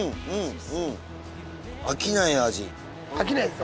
飽きないです